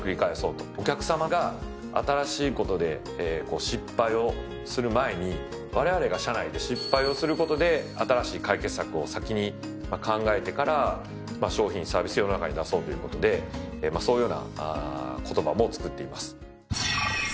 お客さまが新しいことで失敗をする前にわれわれが社内で失敗をすることで新しい解決策を先に考えてから商品・サービス世の中に出そうということでそういうような言葉も作っています。